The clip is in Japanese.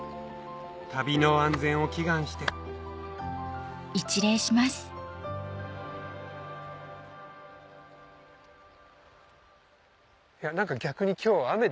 旅の安全を祈願していや何か逆に。